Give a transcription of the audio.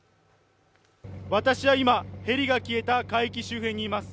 私は今、ヘリが消えた海域周辺にいます。